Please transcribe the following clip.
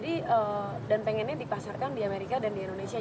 dan pengennya dipasarkan di amerika dan di indonesia